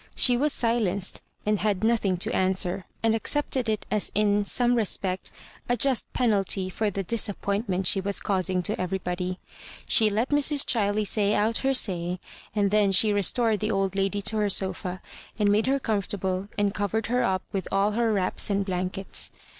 She was sUenced, and had nothing to answer, and accepted it as in some respect a just penalty for the disappointment she was causing to everybody. She let Mrs. Ghiley say out her say, and then she restored the old lady, to her sofa, and made her comfortable, and covered her up with all her wraps and blankets.